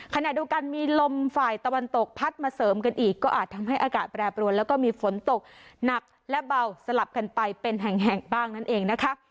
ขณะเดียวกันมีลมฝ่ายตะวันตกพัดมาเสริมกันอีกก็อาจทำให้อากาศแปรปรวนแล้วก็มีฝนตกหนักและเบาสลับกันไปเป็นแห่งบ้างนั่นเองนะคะ